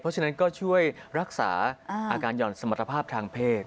เพราะฉะนั้นก็ช่วยรักษาอาการหย่อนสมรรถภาพทางเพศ